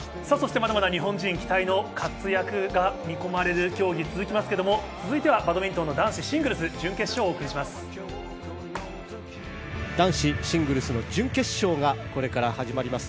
まだまだ日本人期待の活躍が見込まれる競技が続きますけど、続いてはバドミントン・男子シングルス準決勝をお送りします。